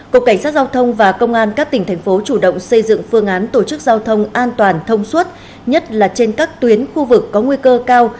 cục cảnh sát giao thông và công an các tỉnh thành phố chủ động xây dựng phương án tổ chức giao thông an toàn thông suốt nhất là trên các tuyến khu vực có nguy cơ cao